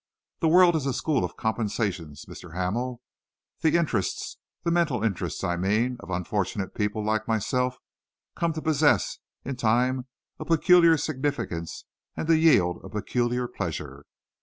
The world is a school of compensations, Mr. Hamel. The interests the mental interests, I mean of unfortunate people like myself, come to possess in time a peculiar significance and to yield a peculiar pleasure.